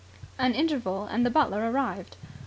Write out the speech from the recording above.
An interval and the butler arrived.